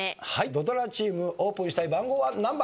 土ドラチームオープンしたい番号は何番？